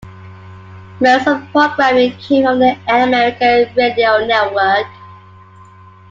Most of the programming came from the Air America Radio Network.